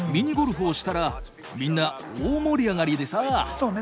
そうね